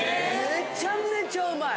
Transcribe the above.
めちゃめちゃうまい。